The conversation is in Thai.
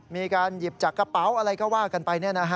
มีการหยิบจากกระเป๋าอะไรก็ว่ากันไป